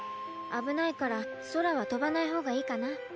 あぶないからそらはとばないほうがいいかな。